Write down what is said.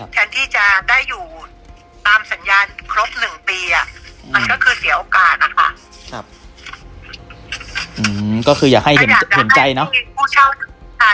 แทนที่จะได้อยู่ตามสัญญาณครบหนึ่งปีอ่ะมันก็คือเสียโอกาสนะคะ